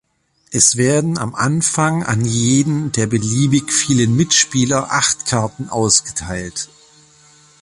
Es werden am Anfang an jeden der beliebig vielen Mitspieler acht Karten ausgeteilt.